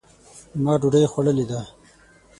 ما ډوډۍ خوړلې ده.